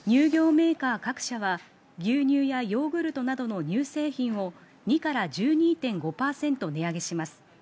メーカー各社は牛乳やヨーグルトなどの乳製品を２％から１２．５％値上げします。